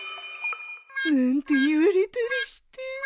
なんて言われたりして